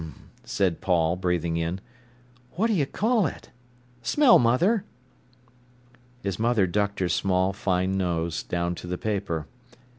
said Paul, breathing in. "What d'you call it? Smell, mother." His mother ducked her small, fine nose down to the paper.